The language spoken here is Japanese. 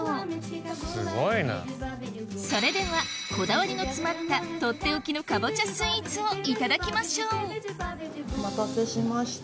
それではこだわりの詰まったとっておきのかぼちゃスイーツをいただきましょうお待たせしました。